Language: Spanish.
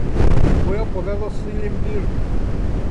Fue apodado "Silent Bill".